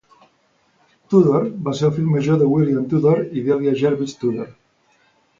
Tudor va ser el fill major de William Tudor i Delia Jarvis Tudor.